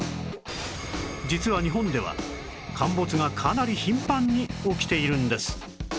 実は日本では陥没がかなり頻繁に起きているんです